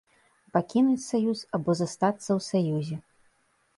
Пакінуць саюз або застацца ў саюзе.